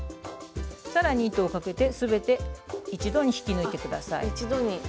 更に糸をかけて全て一度に引き抜いて下さい。